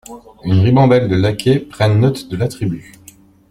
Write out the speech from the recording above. Une ribambelle de laquais prennent note de l'attribut.